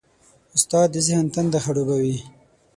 استاد د ذهن تنده خړوبوي.